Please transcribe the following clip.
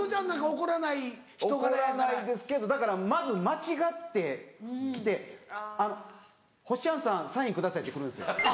怒らないですけどだからまず間違って来て「ほっしゃん。さんサインください」って来るんですよ。